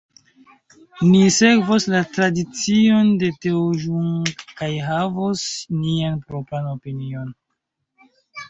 Ni sekvos la tradicion de Teo Jung kaj havos nian propran opinion.